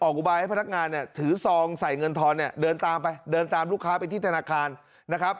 อุบายให้พนักงานเนี่ยถือซองใส่เงินทอนเนี่ยเดินตามไปเดินตามลูกค้าไปที่ธนาคารนะครับ